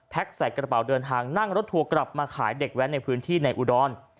ใส่กระเป๋าเดินทางนั่งรถทัวร์กลับมาขายเด็กแว้นในพื้นที่ในอุดร